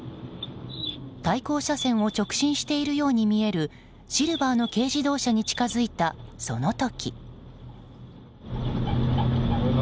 対向車線を直進しているように見えるシルバーの軽自動車に近づいたその時。